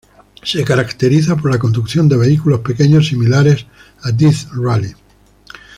Se caracteriza por la conducción de vehículos pequeños, similar a Death Rally.